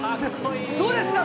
どうですか？